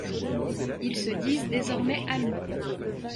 Ils se disent désormais amis.